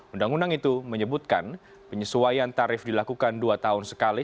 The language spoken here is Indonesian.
undang undang itu menyebutkan penyesuaian tarif dilakukan dua tahun sekali